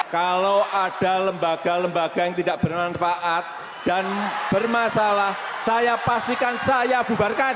kalau ada lembaga lembaga yang tidak bermanfaat dan bermasalah saya pastikan saya bubarkan